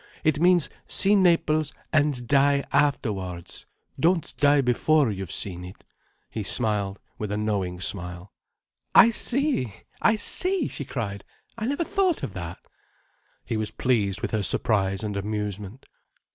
"It means see Naples and die afterwards. Don't die before you've seen it." He smiled with a knowing smile. "I see! I see!" she cried. "I never thought of that." He was pleased with her surprise and amusement.